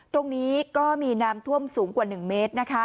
ตรงนี้ก็มีน้ำท่วมสูงกว่า๑เมตร